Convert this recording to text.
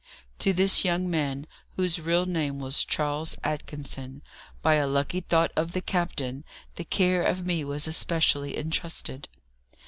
To this young man, whose real name was Charles Atkinson, by a lucky thought of the captain the care of me was especially entrusted.